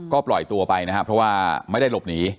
ก็ปล่อยตัวไปนะครับเพราะว่าไม่ได้หลบหนี